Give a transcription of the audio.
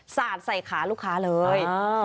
สาดใส่ขาลูกค้าเลย